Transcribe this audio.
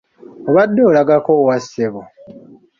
Obadde olagako wa ssebo?